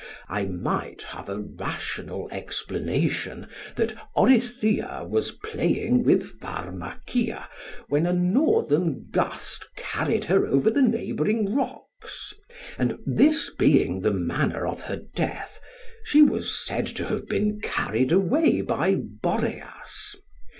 I might have a rational explanation that Orithyia was playing with Pharmacia, when a northern gust carried her over the neighbouring rocks; and this being the manner of her death, she was said to have been carried away by Boreas.